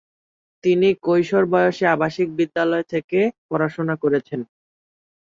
তিনি কৈশোর বয়সে আবাসিক বিদ্যালয়ে থেকে পড়াশুনো করেছেন।